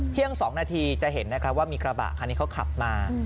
เที่ยง๒นาทีจะเห็นว่ามีกระบะคันนี้เขาขับมา